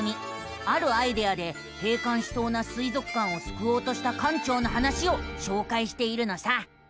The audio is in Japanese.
あるアイデアで閉館しそうな水族館をすくおうとした館長の話をしょうかいしているのさ。